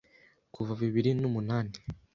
Kuva bibiri nu munani